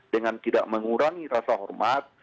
dengan tidak mengurangi rasa hormat